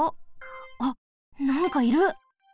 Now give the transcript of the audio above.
あっなんかいる！？